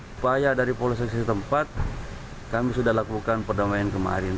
supaya dari polisi tempat kami sudah lakukan perdamaian kemarin